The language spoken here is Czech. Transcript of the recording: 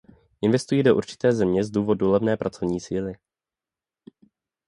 Investují do určité země z důvodu levné pracovní síly.